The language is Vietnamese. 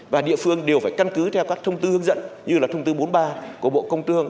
và địa phương đều phải căn cứ theo các thông tư hướng dẫn như là thông tư bốn mươi ba của bộ công thương